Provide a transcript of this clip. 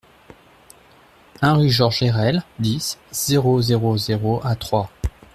un rue Georges Herelle, dix, zéro zéro zéro à Troyes